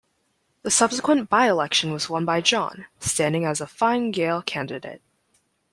The subsequent by-election was won by John, standing as a Fine Gael candidate.